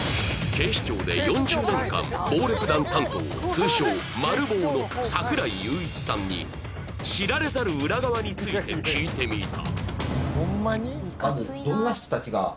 警視庁で４０年間暴力団担当通称マル暴の櫻井裕一さんに知られざる裏側について聞いてみた